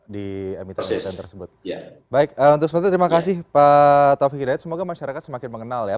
di emiten tersebut ya baik untuk terima kasih pak taufik semoga masyarakat semakin mengenal ya